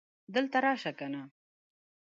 دلته راشه کنه